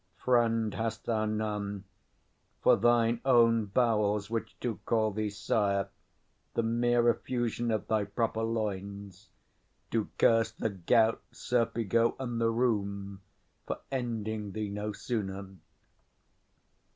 Friend hast thou none; For thine own bowels, which do call thee sire, The mere effusion of thy proper loins, 30 Do curse the gout, serpigo, and the rheum, For ending thee no sooner.